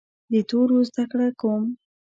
د تورو زده کړه کوم.